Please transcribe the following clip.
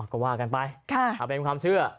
ก็ว่ากันไปเอาเป็นความเชื่อ